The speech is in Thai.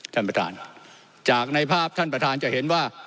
ท่านประธานจากในภาพท่านประธานจะเห็นว่า